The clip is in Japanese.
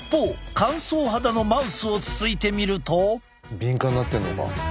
敏感になってるのか。